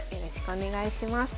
お願いします。